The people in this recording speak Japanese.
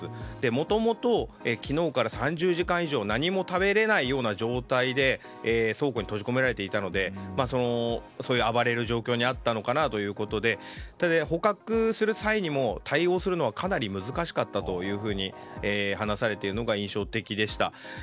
もともと、昨日から３０時間以上何も食べれないような状態で倉庫に閉じ込められていたので暴れる状況にあったのかなということでただ、捕獲する際にも対応するのはかなり難しかったというふうに話されているのが印象的でした。